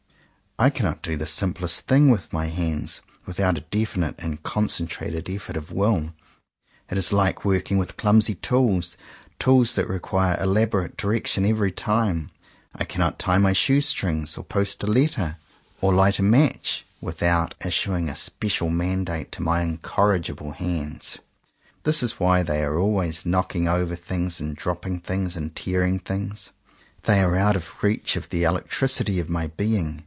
I cannot do the simplest thing with my hands without a definite and con centrated efl^ort of will. It is like working with clumsy tools; tools that require elabo rate direction every time. I cannot tie my shoe strings, or post a letter, or light a 9 CONFESSIONS OF TWO BROTHERS match, without issuing a special mandate to my incorrigible hands. That is why they are always knocking over things and dropping things and tear ing things. They are out of the reach of the electricity of my being.